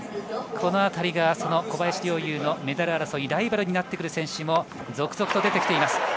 このあたりが小林陵侑のメダル争い、ライバルになってくる選手も続々と出てきています。